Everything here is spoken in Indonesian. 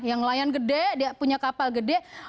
yang nelayan gede dia punya kapal gede